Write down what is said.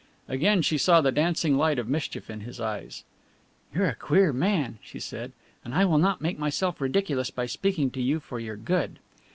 Again she saw the dancing light of mischief in his eyes. "You're a queer man," she said, "and I will not make myself ridiculous by speaking to you for your good."